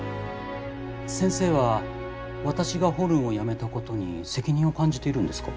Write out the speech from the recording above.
先生は私がホルンをやめたことに責任を感じているんですか？